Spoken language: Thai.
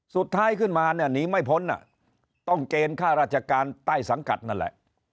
สุดท้ายขึ้นมาเนี่ยหนีไม่พ้นต้องเกณฑ์ค่าราชการใต้สังกัดนั่นแหละ